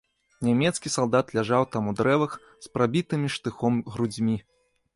Нямецкі салдат ляжаў там у дрэвах з прабітымі штыхом грудзьмі.